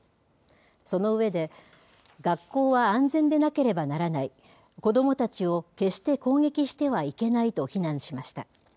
その上で、学校は安全でなければならない、子どもたちを決して攻撃してはいけないと非難しました。